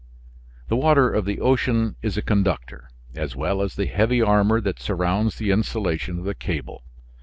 The water of the ocean is a conductor, as well as the heavy armor that surrounds the insulation of the cable.